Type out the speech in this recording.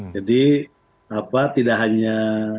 jadi tidak hanya